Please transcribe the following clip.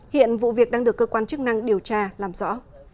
hiện vụ việc đang được cơ quan chức năng điều tra làm rõ